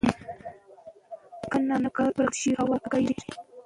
که ونې ونه کرل شي، هوا ککړېږي.